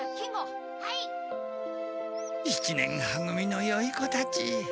一年は組のよい子たち。